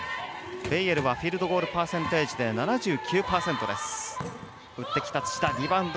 ベイエルはフィールドゴールパーセンテージで７９％です。